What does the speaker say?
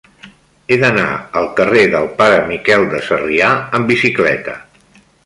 He d'anar al carrer del Pare Miquel de Sarrià amb bicicleta.